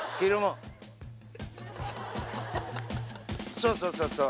そうそうそうそう